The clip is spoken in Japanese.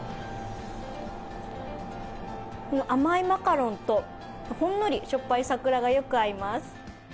甘いマカロンとほんのりしょっぱい桜がよく合います。